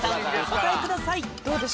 お答えください